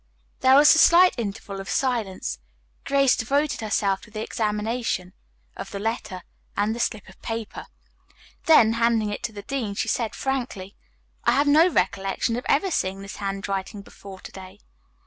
There was a slight interval of silence. Grace devoted herself to the examination of the letter and the slip of paper. Then, handing it to the dean, she said frankly: "I have no recollection of having seen this handwriting before to day."